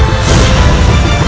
masih untuk cumi